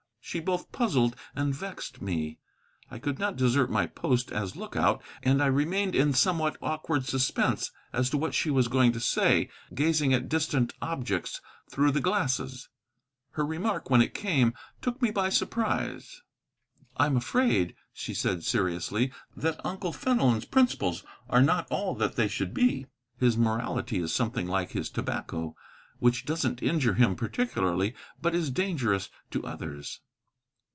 She both puzzled and vexed me. I could not desert my post as lookout, and I remained in somewhat awkward suspense as to what she was going to say, gazing at distant objects through the glasses. Her remark, when it came, took me by surprise. "I am afraid," she said seriously, "that Uncle Fenelon's principles are not all that they should be. His morality is something like his tobacco, which doesn't injure him particularly, but is dangerous to others."